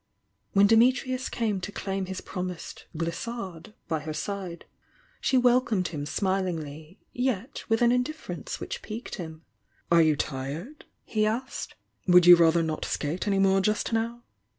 When Dimitrius came to claim his promised "glissade" by her side, she welcomed him smilingly, yet with an indifference which piqued him. "Are you tired?" he asked. "Would you rather not skate any more just now?"